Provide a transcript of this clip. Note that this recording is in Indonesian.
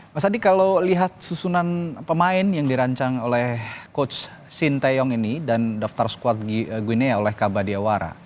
mas adi kalau lihat susunan pemain yang dirancang oleh coach sinteyong ini dan daftar squad guinea oleh kabadiawara